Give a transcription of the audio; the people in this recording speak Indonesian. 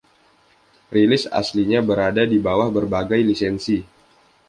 Rilis aslinya berada di bawah berbagai lisensi.